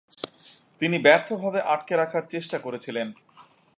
তিনি ব্যর্থভাবে আটকে রাখার চেষ্টা করেছিলেন।